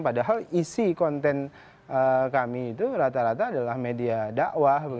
padahal isi konten kami itu rata rata adalah media dakwah